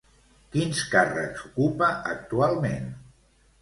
Quins càrrecs ocupa actualment?